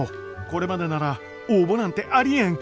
これまでなら「応募なんてありえん！」